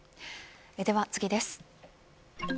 では次です。